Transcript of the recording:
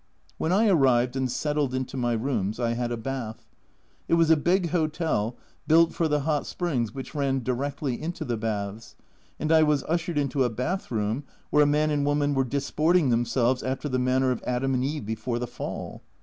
When I arrived and settled into my rooms, I had a bath. It was a big hotel, built for the hot springs which ran directly into the baths, and I was ushered into a bath room where a man and woman were dis porting themselves after the manner of Adam and Eve before the Fall.